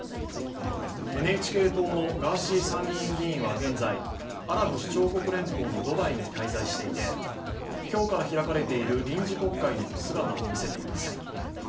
ＮＨＫ党のガーシー参議院議員は現在、アラブ首長国連邦のドバイに滞在していて、今日から開かれている臨時国会にも姿を見せていません。